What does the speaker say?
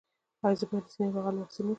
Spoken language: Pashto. ایا زه باید د سینه بغل واکسین وکړم؟